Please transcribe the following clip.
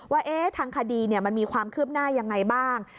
ว่าทางคดีมันมีความคืบหน้ายังไงบ้าง